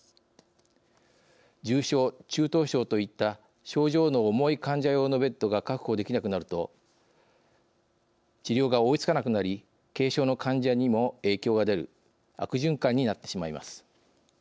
重症、中等症といった症状の重い患者用のベッドが確保できなくなると治療が追いつかなくなり軽症の患者にも影響がでる悪循環になってしまいます。